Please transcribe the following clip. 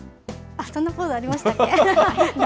そんなポーズありましたっけ？